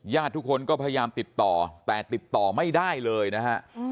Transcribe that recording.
ทุกคนก็พยายามติดต่อแต่ติดต่อไม่ได้เลยนะฮะ